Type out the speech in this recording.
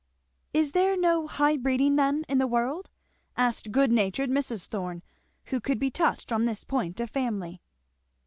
"Is there no high breeding then in the world?" asked good natured Mrs. Thorn, who could be touched on this point of family.